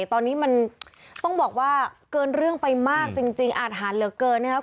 ตอนนี้มันต้องบอกว่าเกินเรื่องไปมากจริงอาทหารเหลือเกินนะครับ